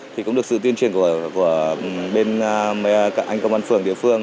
thì cũng được sự tuyên truyền của bên các anh công an phường địa phương